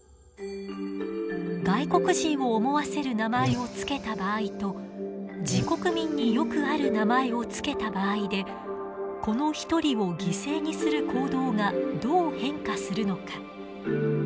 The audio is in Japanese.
外国人を思わせる名前を付けた場合と自国民によくある名前を付けた場合でこの１人を犠牲にする行動がどう変化するのか。